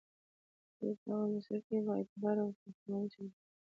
ټولو هغو مسلکي، بااعتباره او وړ ساختماني شرکتونو